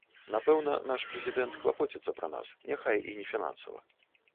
Напэўна, наш прэзідэнт клапоціцца пра нас, няхай і не фінансава.